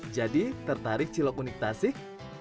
jadi tertarik cilok unik tasik